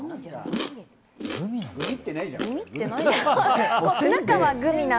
グミってないじゃん。